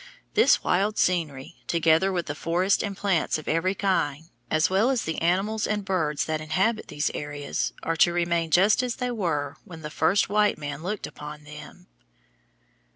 This wild scenery, together with the forests and plants of every kind, as well as the animals and birds that inhabit these areas, are to remain just as they were when the first white man looked upon them.